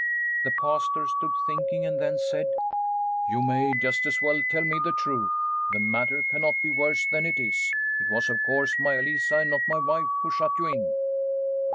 The Pastor stood thinking and then said, " You may just as well tell the truth ; the matter cannot be worse than it is ; it was, of course, Maia Lisa and not my wife who shut you in."